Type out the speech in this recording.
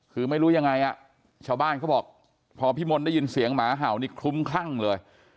คือไม่รู้ยังไงอ่ะชาวบ้านเขาบอกพอพี่มนต์ได้ยินเสียงหมาเห่านี่คลุ้มคลั่งเลย